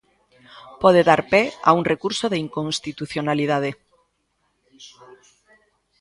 Pode dar pé a un recurso de inconstitucionalidade.